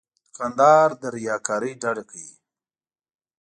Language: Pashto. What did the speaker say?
دوکاندار له ریاکارۍ ډډه کوي.